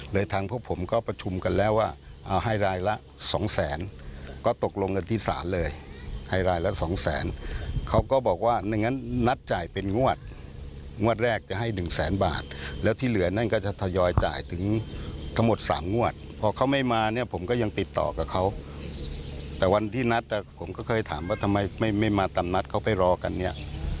ทางพวกผมก็ประชุมกันแล้วว่าเอาให้รายละสองแสนก็ตกลงกันที่ศาลเลยให้รายละสองแสนเขาก็บอกว่าไม่งั้นนัดจ่ายเป็นงวดงวดแรกจะให้หนึ่งแสนบาทแล้วที่เหลือนั่นก็จะทยอยจ่ายถึงทั้งหมดสามงวดพอเขาไม่มาเนี่ยผมก็ยังติดต่อกับเขาแต่วันที่นัดผมก็เคยถามว่าทำไมไม่ไม่มาตามนัดเขาไปรอกันเนี่ย